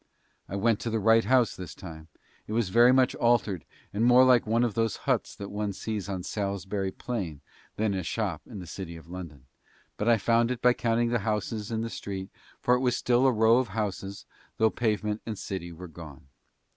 I went to the right house this time. It was very much altered and more like one of those huts that one sees on Salisbury plain than a shop in the city of London, but I found it by counting the houses in the street for it was still a row of houses though pavement and city were gone.